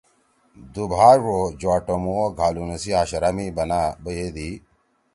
دُوبا ڙو جُوا ٹمُو او گھا لُونُو سی ہاشرا می بنا بَیَدی۔